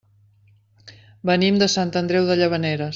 Venim de Sant Andreu de Llavaneres.